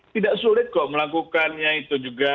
tidak sulit kok melakukannya itu juga